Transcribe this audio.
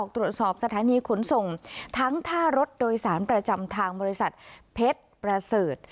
ตรวจสอบสถานีขนส่งทั้งท่ารถโดยสารประจำทางบริษัทเพชรประเสริฐ